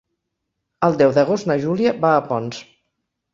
El deu d'agost na Júlia va a Ponts.